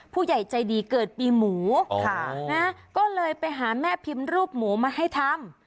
ผู้ใหญ่ใจดีเกิดปีหมูก็เลยไปหาแม่พิมพ์รูปหมูมาให้ทำ